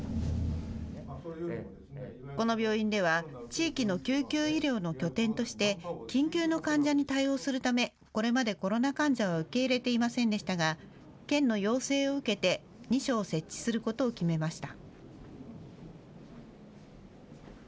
この病院では地域の救急医療の拠点として緊急の患者に対応するためこれまでコロナ患者は受け入れていませんでしたが県の要請を受けて２床設置することを決めました。